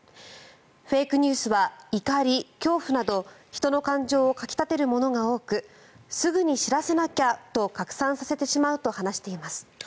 フェイクニュースは怒り、恐怖など人の感情をかき立てるものが多くすぐに知らせなきゃと拡散させてしまうと話しています。